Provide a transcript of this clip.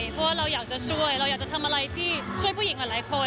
เพราะว่าเราอยากจะช่วยเราอยากจะทำอะไรที่ช่วยผู้หญิงหลายคน